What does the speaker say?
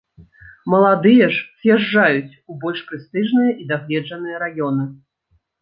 Маладыя ж з'язджаюць у больш прэстыжныя і дагледжаныя раёны.